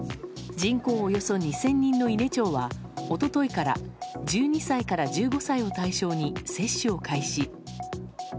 人口およそ２０００人の伊根町は一昨日から１２歳から１８歳を対象に接種を開始。